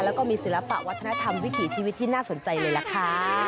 แล้วก็มีศิลปะวัฒนธรรมวิถีชีวิตที่น่าสนใจเลยล่ะค่ะ